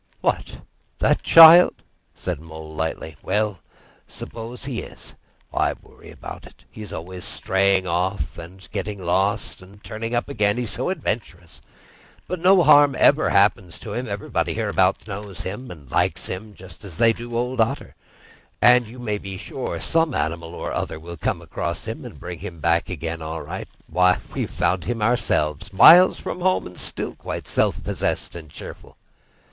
"What, that child?" said the Mole lightly. "Well, suppose he is; why worry about it? He's always straying off and getting lost, and turning up again; he's so adventurous. But no harm ever happens to him. Everybody hereabouts knows him and likes him, just as they do old Otter, and you may be sure some animal or other will come across him and bring him back again all right. Why, we've found him ourselves, miles from home, and quite self possessed and cheerful!"